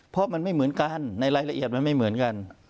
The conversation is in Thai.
เพราะมันไม่เหมือนกันในรายละเอียดมันไม่เหมือนกัน